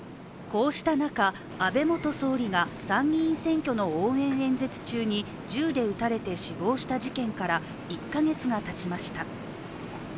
こうした中安倍元総理が参議院選挙の応援演説中に銃で撃たれて死亡した事件から１カ月がたちました。